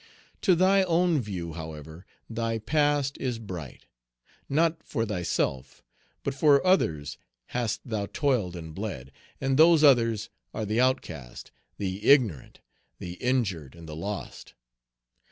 To thy own view, however, thy past is bright. Not for thyself, but for others hast thou toiled and bled; and those others are the outcast, the ignorant, the injured, and the lost.